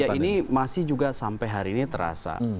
ya ini masih juga sampai hari ini terasa